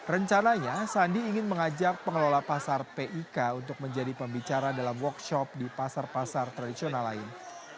rencananya sandi ingin mengajak pengelola pasar pik untuk menjadi pembicara dalam workshop di pasar pasar tradisional lain